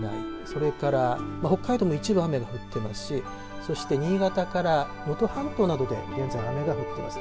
それから北海道の一部雨も降っていますしそして新潟から能登半島などで現在雨が降っています。